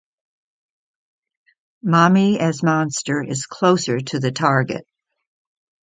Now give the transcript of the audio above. "Mommy as Monster" is closer to the target.